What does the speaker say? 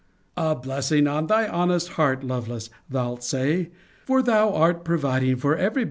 A blessing on thy honest heart, Lovelace! thou'lt say; for thou art for providing for every body!